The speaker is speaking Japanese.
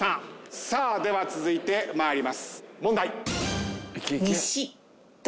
さあでは続いて参ります。